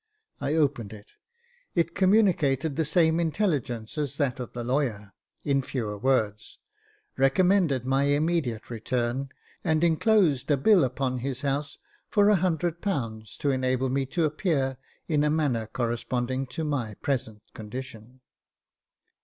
I opened it. It communicated the same intelligence as that of the lawyer, in fewer words ; recommended my immediate return, and enclosed a bill upon his house for ;^ioo to enable me to appear in a manner corresponding to my present condition.